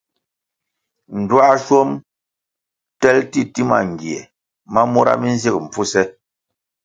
Ndtuāschwom tel titima ngie ma mura mi nzig mpfuse.